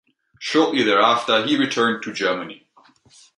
Shortly thereafter, he returned to Germany.